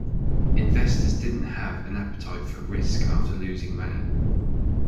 Investors didn't have an appetite for risk after losing money.